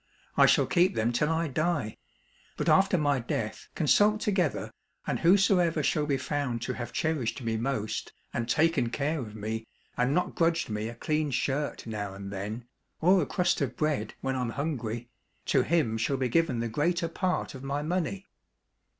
I shall keep them till I die ; but after my death consult together, and whosoever shall be found to have cherished me most and taken care of me and not grudged me a clean shirt now and then, or a crust of bread when I'm hungry, to him shall be given the greater part of my money.